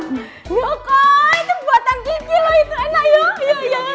nih kok itu buatan kiki loh itu enak yuk